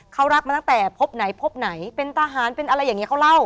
เขารักมาตั้งแต่พบไหนพบไหนเป็นทหารเป็นอะไรอย่างนี้เขาเล่า